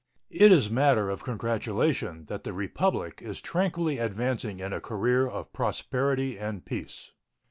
It is matter of congratulation that the Republic is tranquilly advancing in a career of prosperity and peace.